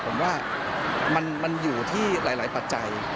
ผมว่ามันอยู่ที่หลายปัจจัย